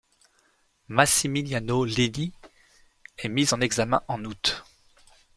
Massimiliano Lelli est mis en examen en août.